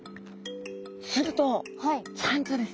するとちゃんとですね